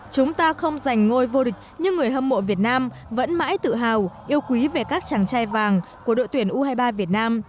chúng ta không giành ngôi vô địch nhưng người hâm mộ việt nam vẫn mãi tự hào yêu quý về các chàng trai vàng của đội tuyển u hai mươi ba việt nam